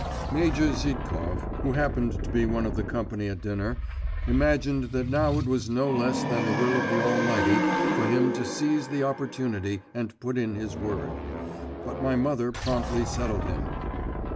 Major Zhitkov, who happened to be one of the company at dinner, imagined that now it was no less than the will of the Almighty for him to seize the opportunity and put in his word … but my mother promptly settled him.